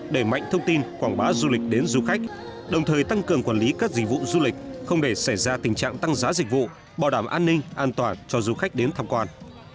đẩy mạnh thông tin quảng bá du lịch đến du khách đồng thời tăng cường quản lý các dịch vụ du lịch không để xảy ra tình trạng tăng giá dịch vụ bảo đảm an ninh an toàn cho du khách đến tham quan